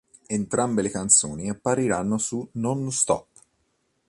Entrambe le canzoni appariranno su "Non-Stop".